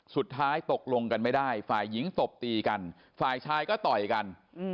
สุดท้ายตกลงกันไม่ได้ฝ่ายหญิงตบตีกันฝ่ายชายก็ต่อยกัน